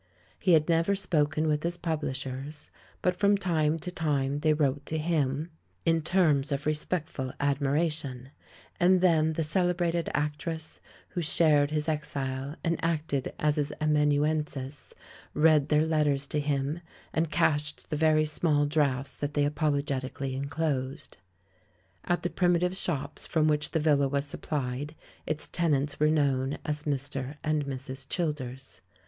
He had never spoken with his publishers, but from time to time they wrote to him — in terms of respectful ad miration; and then the celebrated actress, who shared his exile and acted as his amanuensis, read their letters to him, and cashed the very small drafts that they apologetically enclosed. At the primitive shops from which the villa was supplied, its tenants were known as "Mr. and Mrs. Childers."